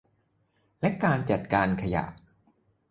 และการจัดการขยะ